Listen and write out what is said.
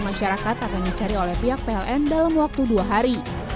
masyarakat tak hanya cari oleh pihak pln dalam waktu dua hari